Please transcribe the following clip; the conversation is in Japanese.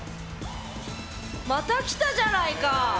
また来たじゃないか！